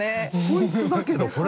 こいつだけどこれ。